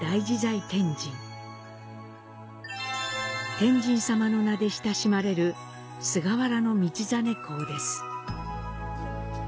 「天神さま」の名で親しまれる菅原道真公です。